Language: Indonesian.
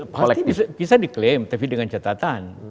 apalagi bisa diklaim tapi dengan catatan